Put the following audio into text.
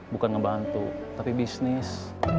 bukan ngebantu tapi bisnis